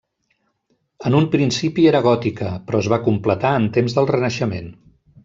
En un principi era gòtica, però es va completar en temps del renaixement.